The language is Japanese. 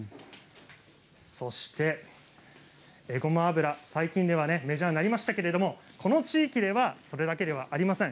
そしてえごま油最近ではメジャーになりましたけれども、この地域ではそれだけではありません。